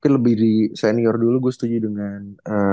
lebih di senior dulu gue setuju dengan